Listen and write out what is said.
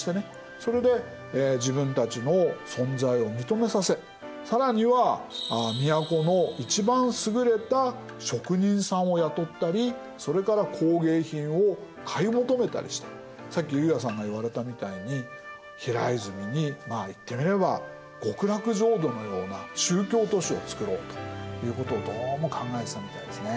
それで自分たちの存在を認めさせ更には都の一番すぐれた職人さんを雇ったりそれから工芸品を買い求めたりしてさっき悠也さんが言われたみたいに平泉にまあ言ってみれば極楽浄土のような宗教都市を造ろうということをどうも考えてたみたいですね。